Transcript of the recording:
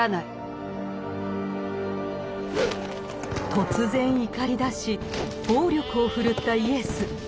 突然怒りだし暴力を振るったイエス。